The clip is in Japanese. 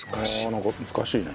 なんか難しいね。